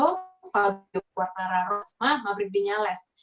so faduk quartararo sama mabrik vinyales